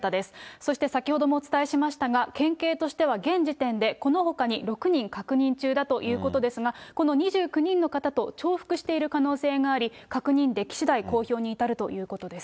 そして先ほどもお伝えしましたが、県警としては現時点でこのほかに６人確認中だということですが、この２９人の方と重複している可能性があり、確認できしだい、公表に至るということです。